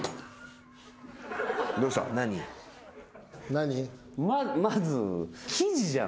何？